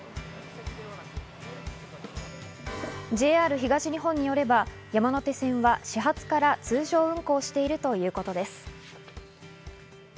ＪＲ東日本によれば山手線は始発から通常運行しているということです。